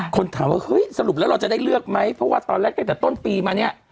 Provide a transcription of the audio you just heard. คนถามว่าเฮ้ยสรุปแล้วเราจะได้เลือกไหมเพราะว่าตอนแรกตั้งแต่ต้นปีมาเนี่ย